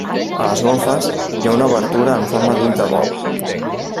A les golfes, hi ha una obertura en forma d'ull de bou.